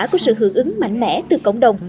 của sự hưởng ứng mạnh mẽ từ cộng đồng